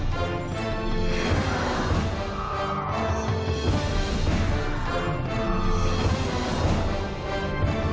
โปรดติดตามตอนต่อไป